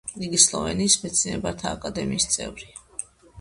იყო სლოვენიის მეცნიერებათა აკადემიის წევრი.